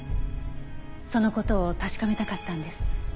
その事を確かめたかったんです。